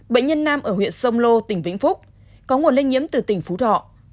bệnh nhân nam ở huyện sông lô tỉnh vĩnh phúc có nguồn lây nhiễm từ tỉnh phú thọ